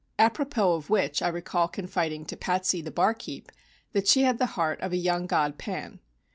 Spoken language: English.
Apropos of which I recall confiding to Patsy, the bar keep, that she had the heart of a young god Pan.